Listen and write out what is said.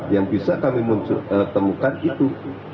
yang bisa kami temukan itu